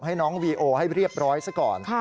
ให้น้องวีโอให้เรียบร้อยซะก่อน